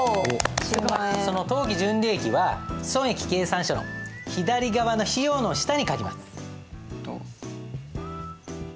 その当期純利益は損益計算書の左側の費用の下に書きます。